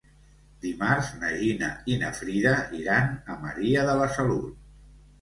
Dimarts na Gina i na Frida iran a Maria de la Salut.